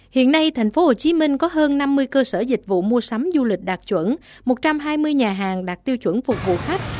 hiện nay thành phố hồ chí minh có hơn năm mươi cơ sở dịch vụ mua sắm du lịch đạt chuẩn một trăm hai mươi nhà hàng đạt tiêu chuẩn phục vụ khách